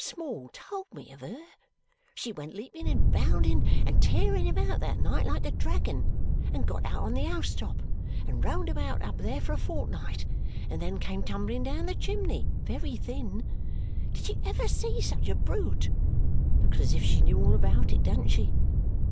"Small told me of her. She went leaping and bounding and tearing about that night like a dragon, and got out on the house top, and roamed about up there for a fortnight, and then came tumbling down the chimney very thin. Did you ever see such a brute? Looks as if she knew all about it, don't she?